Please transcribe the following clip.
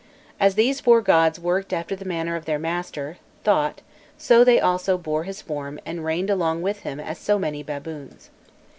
As these four gods worked after the manner of their master, Thot, so they also bore his form and reigned along with him as so many baboons.